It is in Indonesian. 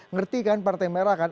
ngerti kan partai merah kan